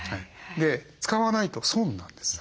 使わないと損なんです。